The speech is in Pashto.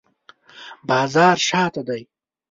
بازار شاته دی